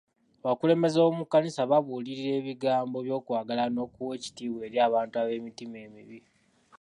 Abakulembeze b'omu kkanisa babuulirira ebigambo by'okwagala n'okuwa ekitiibwa eri abantu ab'emitima emibi.